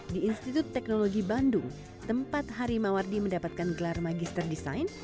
di institut teknologi bandung tempat harimawardi mendapatkan gelar magister desain